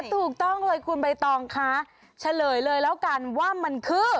ถูกต้องเลยคุณใบตองคะเฉลยเลยแล้วกันว่ามันคือ